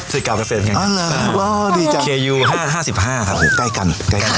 สวัสดีครับ